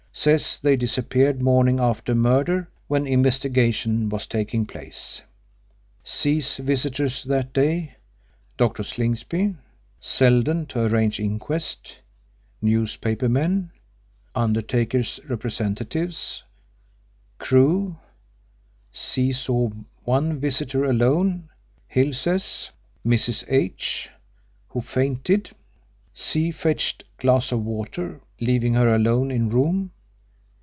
Says they disappeared morning after murder when investigation was taking place. C.'s visitors that day: Dr. Slingsby / Seldon to arrange inquest / newspaper men / undertaker's representatives / Crewe. C. saw one visitor alone, Hill says. Mrs. H , who fainted. C. fetched glass of water, leaving her alone in room.